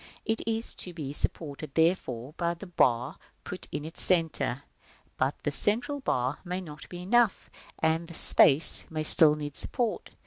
It is to be supported, therefore, by the bar put in its centre, c. But this central bar, c, may not be enough, and the spaces a c, c b, may still need support.